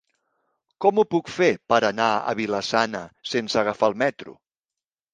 Com ho puc fer per anar a Vila-sana sense agafar el metro?